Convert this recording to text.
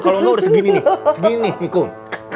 kalau lo udah segini nih segini nih kum